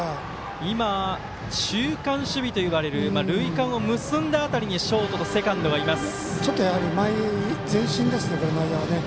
今、中間守備といわれる塁間を結んだ辺りにショートとセカンドがいます。